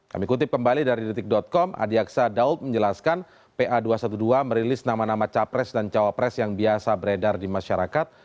kami kutip kembali dari detik com adi aksa daud menjelaskan pa dua ratus dua belas merilis nama nama capres dan cawapres yang biasa beredar di masyarakat